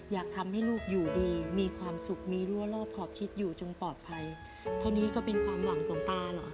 อยากให้ลูกอยู่ดีมีความสุขมีรั้วรอบขอบชิดอยู่จงปลอดภัยเท่านี้ก็เป็นความหวังของตาเหรอ